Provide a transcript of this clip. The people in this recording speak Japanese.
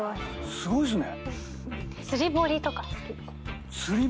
すごいっすね。